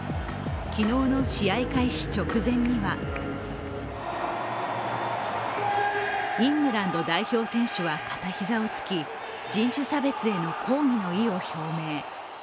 昨日の試合開始直前にはイングランド代表選手は片膝をつき、人種差別への抗議の意を表明。